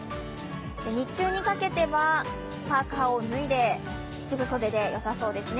日中にかけてはパーカーを脱いで七分袖でよさそうですね。